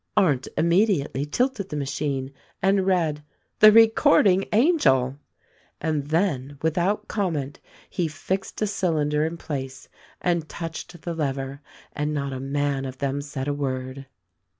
Arndt immediately tilted the machine and read : "The Re cording Angel !'' and then without comment, he fixed a cylinder in place and touched the lever; and not a man of them said a word.